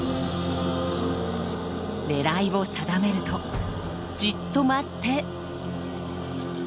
狙いを定めるとじっと待って。